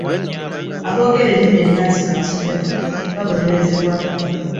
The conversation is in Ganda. Aboogera ennimi ennansi ku masomero babonerezebwa.